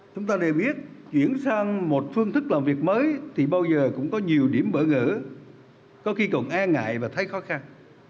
chúng ta đều biết chuyển sang một phương thức làm việc mới thì bao giờ cũng có nhiều điểm bỡ ngỡ có khi còn e ngại và thấy khó khăn